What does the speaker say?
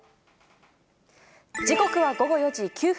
時刻は午後４時９分。